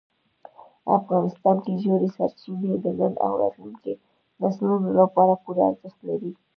افغانستان کې ژورې سرچینې د نن او راتلونکي نسلونو لپاره پوره ارزښت لري.